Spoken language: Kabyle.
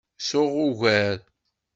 Suɣ ugar.